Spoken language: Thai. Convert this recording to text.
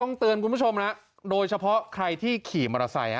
เตือนคุณผู้ชมนะโดยเฉพาะใครที่ขี่มอเตอร์ไซค์